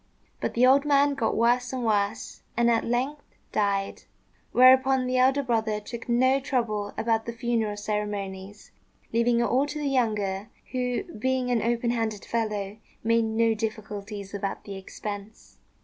But the old man got worse and worse, and at length died; whereupon the elder brother took no trouble about the funeral ceremonies, leaving it all to the younger, who, being an open handed fellow, made no difficulties about the expense.